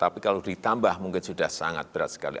tapi kalau ditambah mungkin sudah sangat berat sekali